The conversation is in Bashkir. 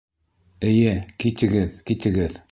Эйе, китегеҙ, китегеҙ!